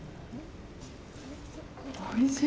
おいしい！